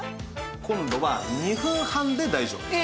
今度は２分半で大丈夫です。